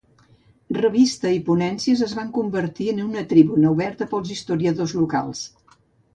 Revista i ponències es van convertir en una tribuna oberta per als historiadors locals.